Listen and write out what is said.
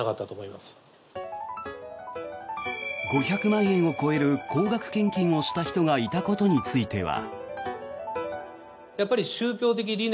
５００万円を超える高額献金をした人がいたことについては。